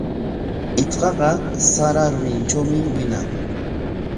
Shitqaqa sara rurintrawmi wiñan.